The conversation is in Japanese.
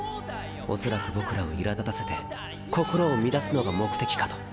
恐らく僕らを苛立たせて心を乱すのが目的かと。